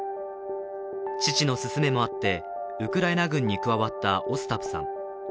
父の勧めもあってウクライナ軍に加わったオスタプさん。